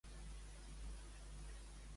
Què és el riu Cefís?